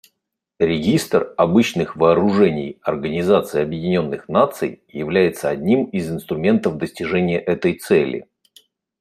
Регистр обычных вооружений Организации Объединенных Наций является одним из инструментов достижения этой цели.